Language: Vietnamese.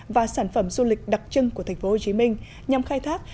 và sản phẩm du lịch đặc trưng của tp hcm nhằm khai thác